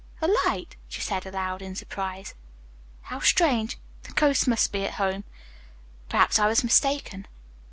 "A light," she said aloud in surprise. "How strange. The ghost must be at home. Perhaps I was mistaken.